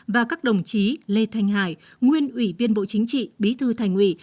và các đồng chí lê thanh hải nguyên ủy viên bộ chính trị bí thư thành ủy